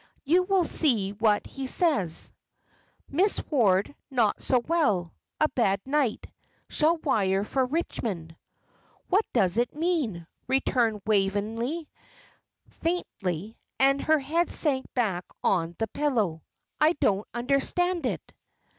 You will see what he says. "'Miss Ward not so well. A bad night. Shall wire for Richmond.'" "What does it mean?" returned Waveney, faintly, and her head sank back on the pillow. "I don't understand it."